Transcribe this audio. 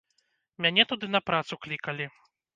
Мяне туды на працу клікалі.